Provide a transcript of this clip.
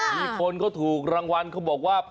มีคนเขาถูกรางวัลเขาบอกว่า